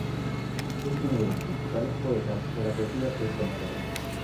Es uno de los principales poetas de la poesía turca moderna.